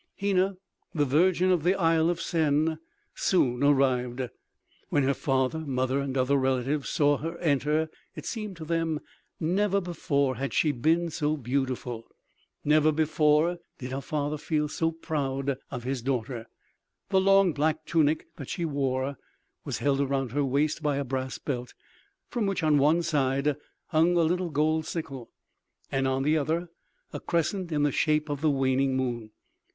Hena, the virgin of the Isle of Sen, soon arrived. When her father, mother and other relatives saw her enter it seemed to them never before had she been so beautiful. Never before did her father feel so proud of his daughter. The long black tunic that she wore was held around her waist by a brass belt, from which, on one side, hung a little gold sickle, and on the other a crescent in the shape of the waning moon.